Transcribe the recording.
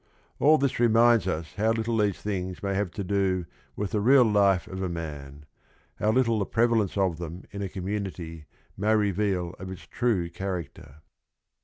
All this reminds us how little these things may have to do with the real life of a man, how little the prevalence of them in a community may reveal of its true character.